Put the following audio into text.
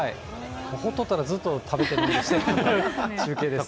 ほっとったらずっと食べて飲みしてる中継ですね。